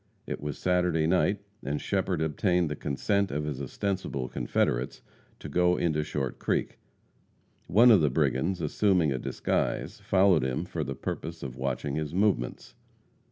It was Saturday night, and Shepherd obtained the consent of his ostensible confederates to go into Short Creek. One of the brigands, assuming a disguise, followed him for the purpose of watching his movements.